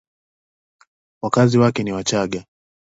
Wakazi wake ni Wachagga.